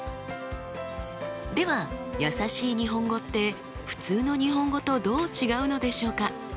ではやさしい日本語って普通の日本語とどう違うのでしょうか？